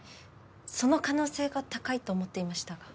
その可能性が高いと思っていましたが。